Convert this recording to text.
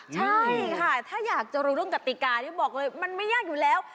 ใช่ค่ะถ้าอยากจะรู้เรื่องกติกานี่บอกเลยมันไม่ยากอยู่แล้ว